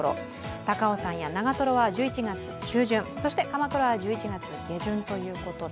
高尾山や長瀞は１１月中旬、そして鎌倉は１１月下旬ということで